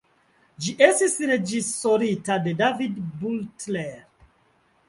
Ĝi estis reĝisorita de David Butler.